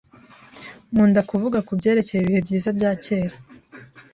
Nkunda kuvuga kubyerekeye ibihe byiza bya kera.